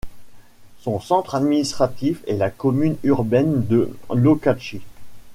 Son centre administratif est la commune urbaine de Lokatchi.